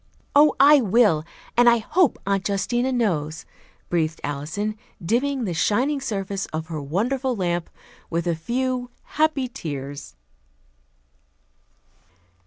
"Oh, I will; and I hope Aunt Justina knows," breathed Alison, dimming the shining surface of her wonderful lamp with a few happy tears.